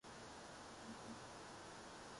programme پر عارضی پابندی کے حوالے سے